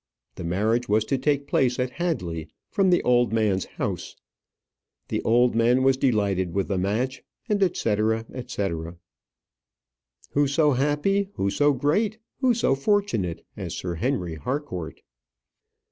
The marriage was to take place at Hadley, from the old man's house; the old man was delighted with the match, &c., &c., &c. who so happy, who so great, who so fortunate as Sir Henry Harcourt?